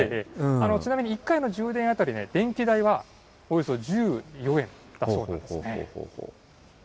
ちなみに１回の充電当たり、電気代はおよそ１４円だそうですね。